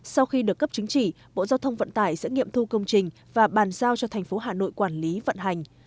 sau khi được cấp chứng chỉ bộ giao thông vận tải sẽ nghiệm thu công trình và bàn giao cho thành phố hà nội quản lý vận hành